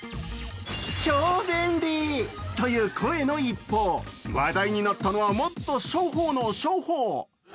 超便利という声の一方、話題になったのはもっと初歩の初歩。